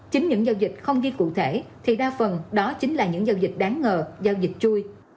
chính những giao dịch không ghi cụ thể thì đa phần đó chính là những giao dịch đáng ngờ giao dịch chui